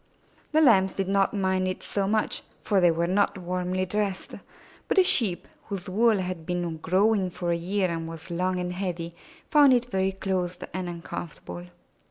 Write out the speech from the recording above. The Lambs did not mind it so much, for they were not warmly dressed, but the Sheep, whose wool had been growing for a year and was long and heavy, found it very close and uncomfortable.